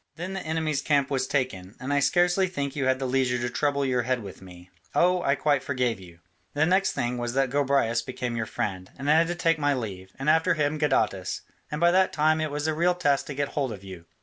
Then the enemy's camp was taken, and I scarcely think you had the leisure to trouble your head with me oh, I quite forgave you. The next thing was that Gobryas became your friend, and I had to take my leave, and after him Gadatas, and by that time it was a real task to get hold of you.